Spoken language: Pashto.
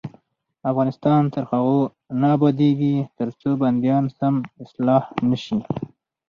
افغانستان تر هغو نه ابادیږي، ترڅو بندیان سم اصلاح نشي.